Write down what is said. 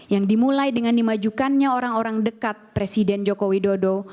yang dimulai dengan dimajukannya orang orang dekat presiden joko widodo